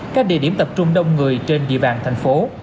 các địa điểm tập trung đông người trên địa bàn thành phố